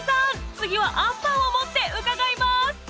次はあんパンを持って伺います